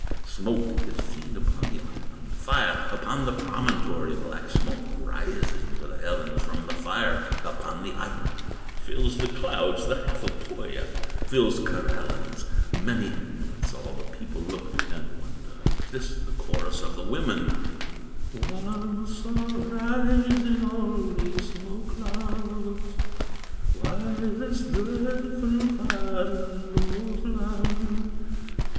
Smoke is seen upon the island, Fire, upon the promontory, Black smoke rising to the heavens From the fire upon the island; Fills with clouds the half of Pohya, Fills Karelen's many hamlets; All the people look and wonder, This the chorus of the women: "Whence are rising all these smoke clouds, Why this dreadful fire in Northland?